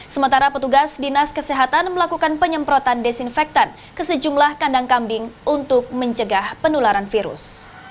sementara petugas dinas kesehatan melakukan penyemprotan desinfektan ke sejumlah kandang kambing untuk mencegah penularan virus